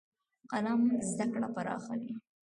قلم زده کړه پراخوي.